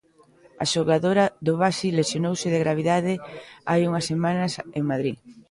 A xogadora do Baxi lesionouse de gravidade hai unha semanas en Madrid.